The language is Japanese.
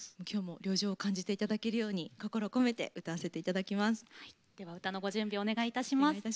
きょうも旅情を感じていただけるように心を込めて歌わせていただきます。